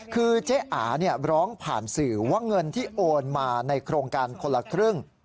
คือเจ๊อาร้องผ่านสื่อว่าเงินที่โอนมาในโครงการคนละครึ่ง